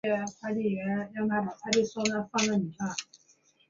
勃朗宁大威力手枪是应法国军队对新型军用手枪的要求而设计的。